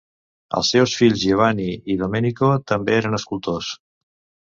Els seus fills Giovanni i Domenico també eren escultors.